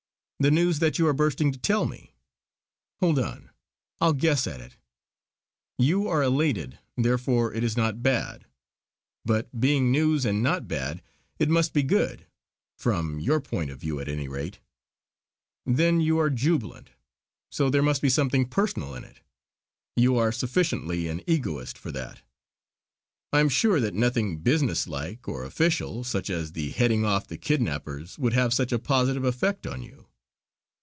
"The news that you are bursting to tell me. Hold on! I'll guess at it. You are elated, therefore it is not bad; but being news and not bad it must be good from your point of view at any rate. Then you are jubilant, so there must be something personal in it you are sufficiently an egoist for that. I am sure that nothing business like or official, such as the heading off the kidnappers, would have such a positive effect on you.